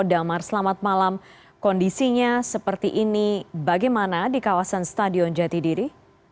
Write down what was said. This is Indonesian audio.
damar selamat malam kondisinya seperti ini bagaimana di kawasan stadion jati diri